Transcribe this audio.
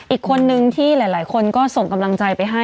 อีกคนนึงที่หลายคนก็ส่งกำลังใจไปให้